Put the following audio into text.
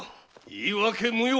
言い訳無用！